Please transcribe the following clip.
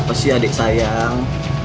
apa sih adik sayang